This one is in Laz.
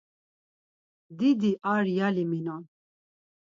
Didi ar yali minon.